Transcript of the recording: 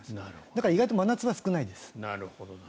だから意外と真夏は少ないです。